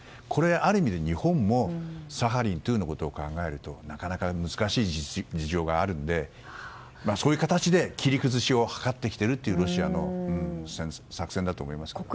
これは、ある意味で日本もサハリン２のことを考えるとなかなか難しい事情があるのでそういう形で切り崩しを図ってきているというロシアの作戦だと思います。